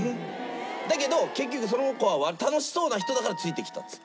だけど結局その子は楽しそうな人だからついてきたっつって。